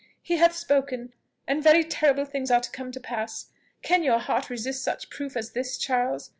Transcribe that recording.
He hath spoken, and very terrible things are come to pass. Can your heart resist such proof as this, Charles?"